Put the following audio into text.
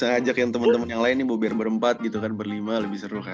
ngajak yang temen temen yang lain nih bu biar berempat gitu kan berlima lebih seru kan